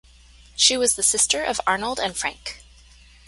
She was the sister of Arnold and Frank.